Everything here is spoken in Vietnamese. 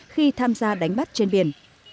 khi tham gia đánh bắt trên biển